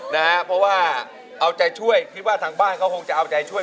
นะฮะเพราะว่าเอาใจช่วยคิดว่าทางบ้านเขาคงจะเอาใจช่วย